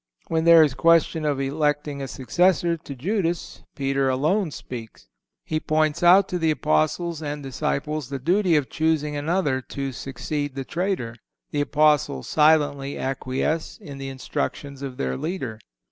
(162) When there is question of electing a successor to Judas Peter alone speaks. He points out to the Apostles and disciples the duty of choosing another to succeed the traitor. The Apostles silently acquiesce in the instructions of their leader.